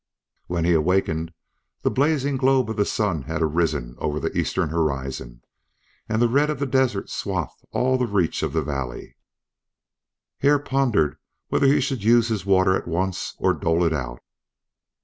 When he awakened the blazing globe of the sun had arisen over the eastern horizon, and the red of the desert swathed all the reach of valley. Hare pondered whether he should use his water at once or dole it out.